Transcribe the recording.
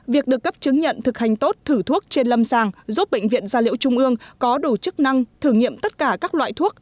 việc được cấp chứng nhận thực hành tốt thử thuốc trên lâm sàng giúp bệnh viện gia liễu trung ương có đủ chức năng thử nghiệm tất cả các loại thuốc